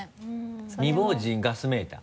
「未亡人ガスメーター」